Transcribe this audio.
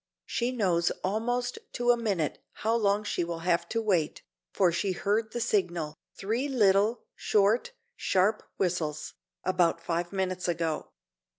She knows almost to a minute how long she will have to wait, for she heard the signal three little, short, sharp whistles about five minutes ago.